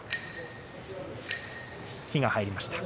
柝きが入りました。